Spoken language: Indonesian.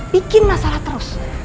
bikin masalah terus